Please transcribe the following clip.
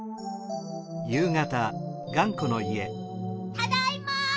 ・ただいま！